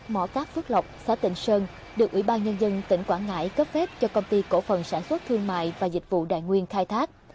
mỏ cát phước lộc xã tịnh sơn được ủy ban nhân dân tỉnh quảng ngãi cấp phép cho công ty cổ phần sản xuất thương mại và dịch vụ đại nguyên khai thác